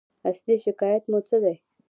اصلي شکایت مو څه دی؟